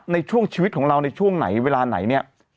ในช่วงชีวิตของเราในช่วงไหนเวลาไหนเนี่ย